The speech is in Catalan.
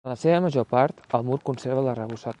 En la seva major part el mur conserva l'arrebossat.